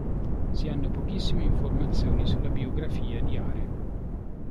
Si hanno pochissime informazioni sulla biografia di Are.